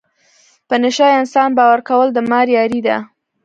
په نشه یې انسان باور کول د مار یاري ده.